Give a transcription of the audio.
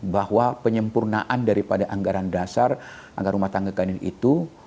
bahwa penyempurnaan daripada anggaran dasar anggaran rumah tangga kain itu